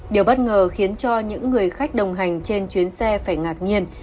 điều bất ngờ khiến cho những người khách đồng hành trên chuyến xe phải ngạc nhiên